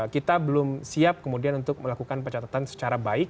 kita belum siap kemudian untuk melakukan pencatatan secara baik